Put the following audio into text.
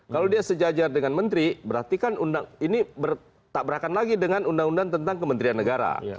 kalau dia sejajar dengan menteri berarti kan undang ini bertabrakan lagi dengan undang undang tentang kementerian negara